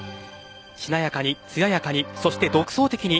しなやかに、艶やかにそして独創的に。